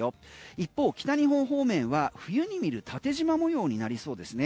一方、北日本方面は冬に見る縦じま模様になりそうですね。